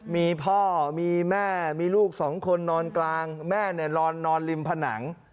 มีพ่อมีแม่มีลูกสองคนนอนกลางแม่นอนริมผนัง